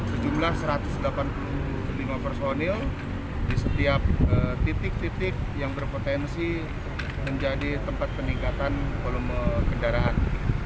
sejumlah satu ratus delapan puluh lima personil di setiap titik titik yang berpotensi menjadi tempat peningkatan volume kendaraan